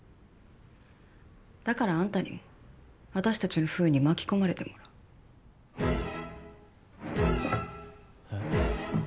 だからあんたにも私たちの不運に巻き込まれてもらう。え？